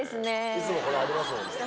いつもこれありますもんね